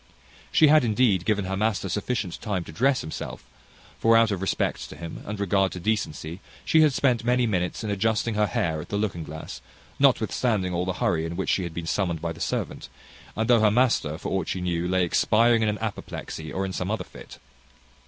She had indeed given her master sufficient time to dress himself; for out of respect to him, and regard to decency, she had spent many minutes in adjusting her hair at the looking glass, notwithstanding all the hurry in which she had been summoned by the servant, and though her master, for aught she knew, lay expiring in an apoplexy, or in some other fit.